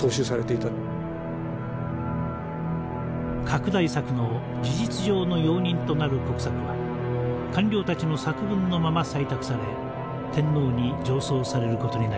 拡大策の事実上の容認となる国策は官僚たちの作文のまま採択され天皇に上奏される事になりました。